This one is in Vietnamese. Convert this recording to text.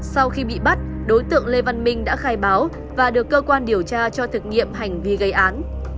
sau khi bị bắt đối tượng lê văn minh đã khai báo và được cơ quan điều tra cho thực nghiệm hành vi gây án